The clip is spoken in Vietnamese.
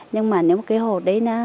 nhưng mà nếu mà cái hồ đấy